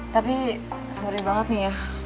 tapi seri banget nih ya